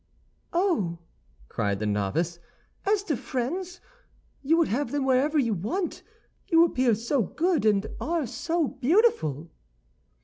"Oh," cried the novice, "as to friends, you would have them wherever you want, you appear so good and are so beautiful!"